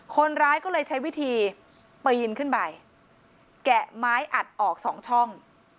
คนร้ายก็เลยใช้วิธีปีนขึ้นไปแกะไม้อัดออกสองช่อง